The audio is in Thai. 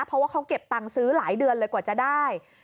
เพราะว่าเขาเก็บตังค์ซื้อหลายเดือนเลยกว่าจะได้